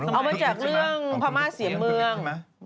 เอามาจากเรื่องพม่าเสียเมือง